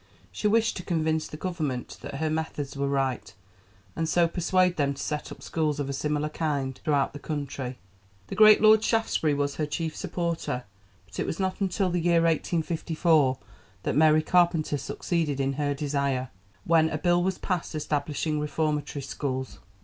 She wished to convince the Government that her methods were right, and so persuade them to set up schools of a similar kind throughout the country. The great Lord Shaftesbury was her chief supporter, but it was not until the year 1854 that Mary Carpenter succeeded in her desire, when a Bill was passed establishing reformatory schools.